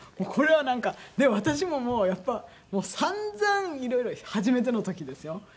これはなんか私ももうやっぱり散々いろいろ初めての時ですよ。